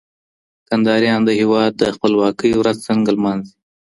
کندهاریان د هېواد د خپلواکۍ ورځ څنګه لمانځي؟